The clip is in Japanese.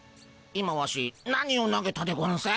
今ワシ何を投げたでゴンス？